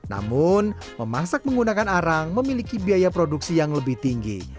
namun memasak menggunakan arang memiliki biaya produksi yang lebih tinggi